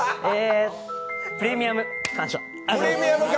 プレミアム感謝！